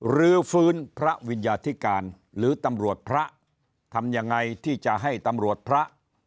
รื้อฟื้นพระวิญญาธิการหรือตำรวจพระทำยังไงที่จะให้ตำรวจพระ